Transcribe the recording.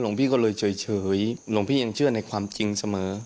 พี่ก็เลยเฉยหลวงพี่ยังเชื่อในความจริงเสมอ